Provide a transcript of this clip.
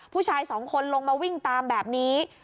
ผู้ชายสองคนลงมาวิ่งตามแบบนี้